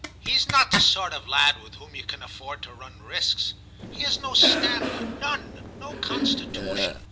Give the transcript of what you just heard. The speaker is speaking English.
He is not the sort of lad with whom you can afford to run risks. He has no stamina, none; no constitution.